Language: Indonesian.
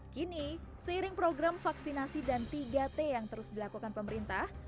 kini seiring program vaksinasi dan tiga t yang terus dilakukan pemerintah